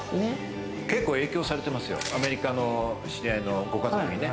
結構影響されてますよ、アメリカの知り合いのご家族に。